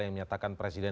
yang menyatakan presiden